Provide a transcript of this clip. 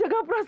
adit adit maaf